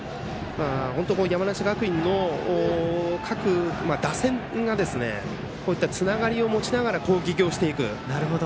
本当、山梨学院の各打線がこういったつながりを持ちながら攻撃をしていく。